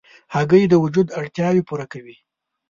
هګۍ د وجود اړتیاوې پوره کوي.